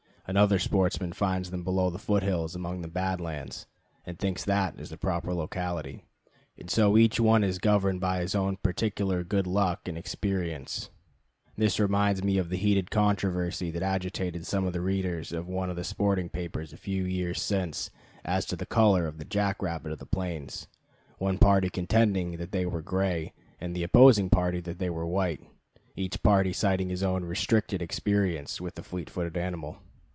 Another sportsman finds them below the foot hills among the Bad Lands, and thinks that is the proper locality; and so each one is governed by his own particular good luck and experience. This reminds me of the heated controversy that agitated some of the readers of one of the sporting papers a few years since as to the color of the jack rabbit of the plains: one party contending they were gray and the opposing party that they were white, each party citing his own restricted experience with that fleet footed animal.